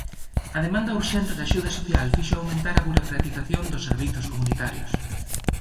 A demanda urxente de axuda social fixo aumentar a burocratización dos servizos comunitarios.